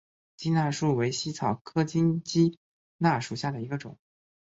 鸡纳树为茜草科金鸡纳属下的一个种。